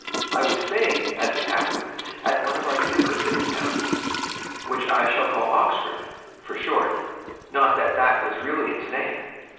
I was staying, as it happened, at one of our university towns, which I shall call Oxford, for short not that that was really its name.